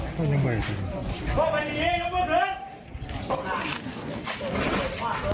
เติมบังส่องคนใครด้วยกันนะผู้กับพลังผิดคอบ